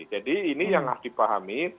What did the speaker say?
jadi ini yang harus dipahami